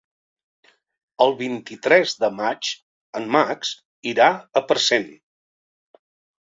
El vint-i-tres de maig en Max irà a Parcent.